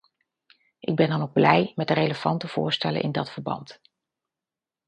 Ik ben dan ook blij met de relevante voorstellen in dat verband.